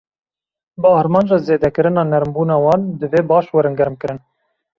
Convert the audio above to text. Bi armanca zêdekirina nermbûna wan, divê baş werin germkirin.